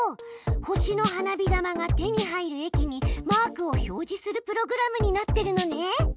星の花火玉が手に入る駅にマークを表示するプログラムになってるのね！